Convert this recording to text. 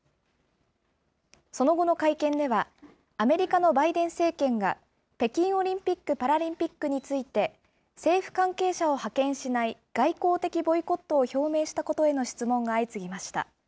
その後の会見では、アメリカのバイデン政権が北京オリンピック・パラリンピックについて、政府関係者を派遣しない、外交的ボイコットを表明したことへの質問が相次ぎました。